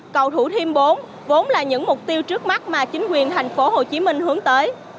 cầu thủ thiêm bốn vốn là những mục tiêu trước mắt mà chính quyền thành phố hồ chí minh hướng tới